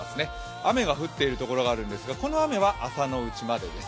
雨が降っているところがあるんですが、この雨は朝のうちまでです。